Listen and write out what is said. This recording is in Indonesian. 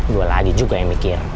dua lagi juga yang mikir